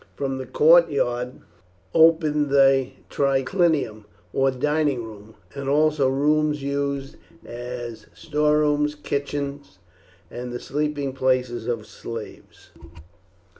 From the courtyard opened the triclinium, or dining room, and also rooms used as storerooms, kitchen, and the sleeping places of the slaves.